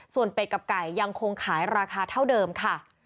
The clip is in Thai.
ส่วนเป็ดกับไก่ยังคงขายราคาเท่าเดิมค่ะ